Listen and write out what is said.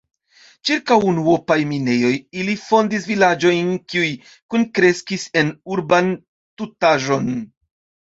Ĉirkaŭ unuopaj minejoj ili fondis vilaĝojn, kiuj kunkreskis en urban tutaĵon.